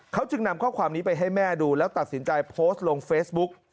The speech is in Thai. เขาจึงนำข้อความนี้ไปให้แม่ดูแล้วตัดสินใจโพสต์ลงเฟซบุ๊ก